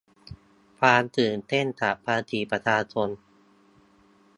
ความตื่นเต้นจากภาษีประชาชน